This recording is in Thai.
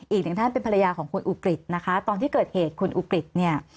อีกหนึ่งท่านเป็นภรรยาของคุณอุกฤษนะคะตอนที่เกิดเหตุคุณอุกฤษเนี่ย